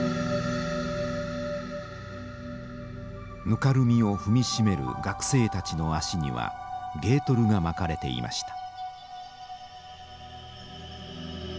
ぬかるみを踏み締める学生たちの足にはゲートルが巻かれていました。